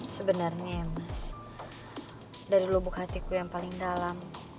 sebenarnya ya mas dari lubuk hatiku yang paling dalam